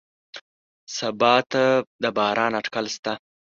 سبا ته د باران اټکل شته